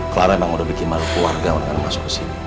clara emang udah bikin malu keluarga dengan masuk kesini